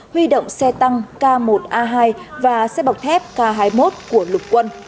huy động xe tăng k một a hai và xe bọc thép k hai mươi một của lục quân